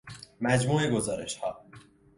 مجموع گزارش ها